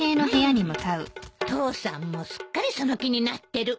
父さんもすっかりその気になってる